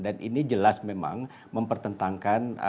ini jelas memang mempertentangkan